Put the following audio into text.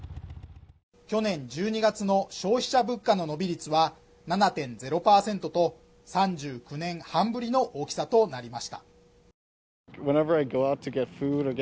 去年１２月の消費者物価の伸び率は７．０％と３９年半ぶりの大きさとなりました